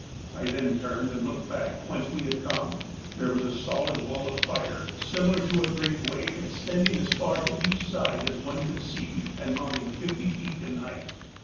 I then turned and looked back whence we had come. There was a solid wall of fire similar to a great wave, extending as far to each side as one could see and mounting fifty feet in height.